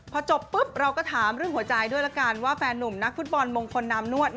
พอจบปุ๊บเราก็ถามเรื่องหัวใจด้วยละกันว่าแฟนนุ่มนักฟุตบอลมงคลนามนวด